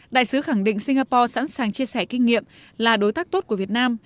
đại sứ khẳng định singapore sẵn sàng chia sẻ kinh nghiệm là đối tác tốt của việt nam